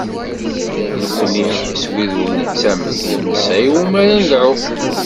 Nekni s wid ur nettamen, ur nesɛi iwumi ara nedɛu.